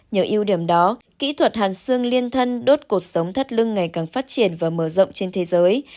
nhờ ưu điểm đó kỹ thuật hàn xương liên thân đốt cột sống thắt lưng ngày càng phát triển và mở rộng trên thế giới